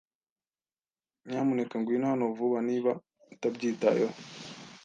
Nyamuneka ngwino hano vuba niba utabyitayeho.